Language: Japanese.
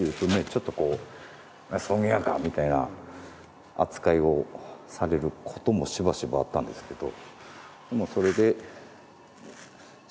ちょっとこう「葬儀屋か！」みたいな扱いをされることもしばしばあったんですけど。